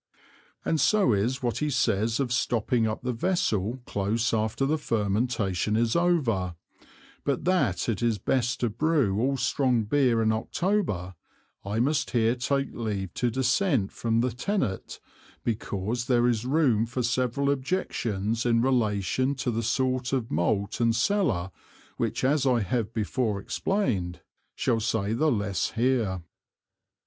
And so is what he says of stopping up the Vessel close after the Fermentation is over; but that it is best to Brew all strong Beer in October, I must here take leave to dissent from the Tenet, because there is room for several Objections in relation to the sort of Malt and Cellar, which as I have before explained, shall say the less here.